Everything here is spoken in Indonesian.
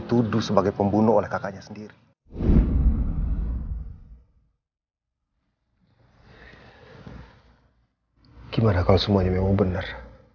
tidak hanya memang benar